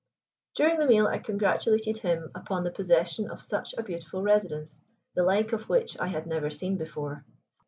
During the meal I congratulated him upon the possession of such a beautiful residence, the like of which I had never seen before.